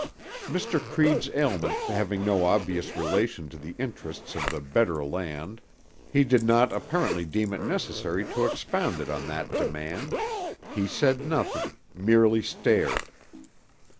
Mr. Creede's ailment having no obvious relation to the interests of the better land he did not apparently deem it necessary to expound it on that demand; he said nothing—merely stared.